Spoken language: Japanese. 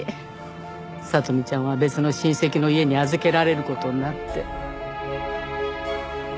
聖美ちゃんは別の親戚の家に預けられる事になって。